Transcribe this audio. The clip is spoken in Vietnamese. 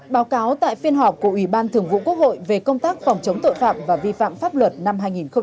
báo cáo tại phiên họp của ủy ban thường vụ quốc hội về công tác phòng chống tội phạm và vi phạm pháp luật năm hai nghìn một mươi chín